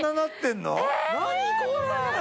何これ！